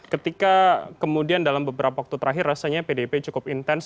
ketika kemudian dalam beberapa waktu terakhir rasanya pdip cukup intens